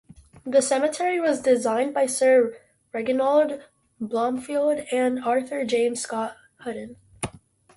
The cemetery was designed by Sir Reginald Blomfield and Arthur James Scott Hutton.